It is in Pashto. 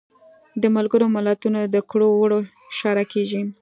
د ملګرو ملتونو د کړو وړو شرحه کیږي.